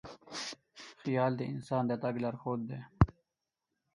خیال د انسان د تګ لارښود دی.